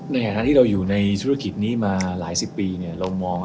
ในฐานะที่เราอยู่ในธุรกิจนี้มาหลายสิบปีเรามอง